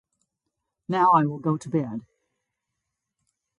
Now I will go to bed.